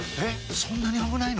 そんなに危ないの？